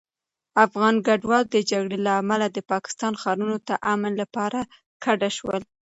افغان کډوال د جګړې له امله د پاکستان ښارونو ته امن لپاره کډه شول.